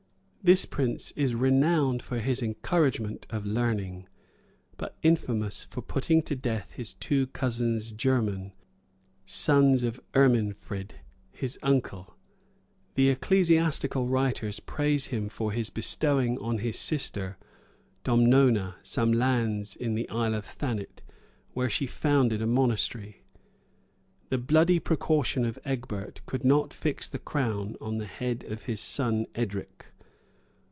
This prince is renowned for his encouragement of learning; but infamous for putting to death his two cousins german, sons of Erminfrid, his uncle. The ecclesiastical writers praise him for his bestowing on his sister, Domnona, some lands in the Isle of Thanet, where she founded a monastery. The bloody precaution of Egbert could not fix the crown on the head of his son Edric.